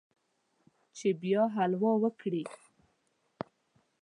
چې بیا حلول وکړي